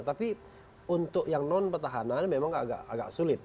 tapi untuk yang non petahana memang agak sulit